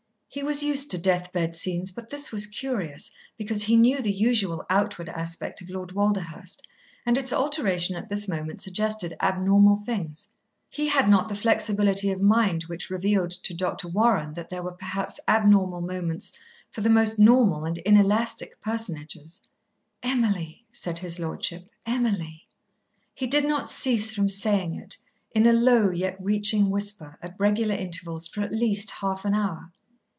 He was used to death bed scenes, but this was curious, because he knew the usual outward aspect of Lord Walderhurst, and its alteration at this moment suggested abnormal things. He had not the flexibility of mind which revealed to Dr. Warren that there were perhaps abnormal moments for the most normal and inelastic personages. "Emily!" said his lordship, "Emily!" He did not cease from saying it, in a low yet reaching whisper, at regular intervals, for at least half an hour.